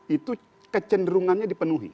itu kecenderungannya dipenuhi